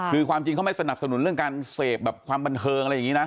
คือความจริงเขาไม่สนับสนุนเรื่องการเสพแบบความบันเทิงอะไรอย่างนี้นะ